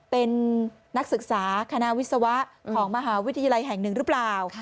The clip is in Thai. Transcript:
เป็นนักศึกษาคณะวิศวะของมหาวิทยาลัยแห่งหนึ่งหรือเปล่า